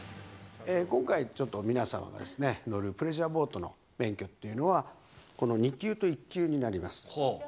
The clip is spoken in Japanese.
今回、ちょっと皆さんが乗るプレジャーボートの免許というのはこの２級と１級になります。